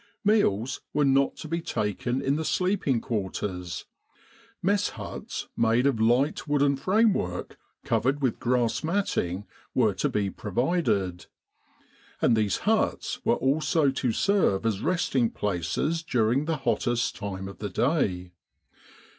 Meals were not to be taken in the sleeping quarters. Mess huts, made of light wooden framework, covered with grass matting, were to be provided ; and these huts were also to serve as resting places during the hottest time of the day.